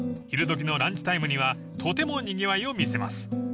昼時のランチタイムにはとてもにぎわいを見せます］